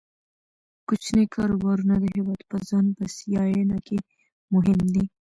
کوچني کاروبارونه د هیواد په ځان بسیاینه کې مهم دي.